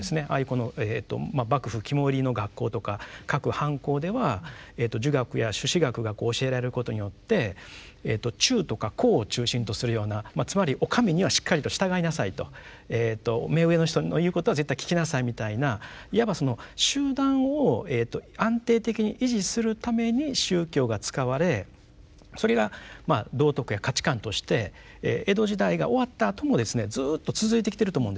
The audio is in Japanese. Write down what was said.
この幕府肝煎りの学校とか各藩校では儒学や朱子学がこう教えられることによって「忠」とか「孝」を中心とするようなつまり「お上にはしっかりと従いなさい」と「目上の人の言うことは絶対聞きなさい」みたいないわば集団を安定的に維持するために宗教が使われそれがまあ道徳や価値観として江戸時代が終わったあともですねずっと続いてきてると思うんですよ。